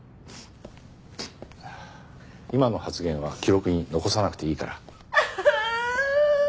今の発言は記録に残さなくていいから。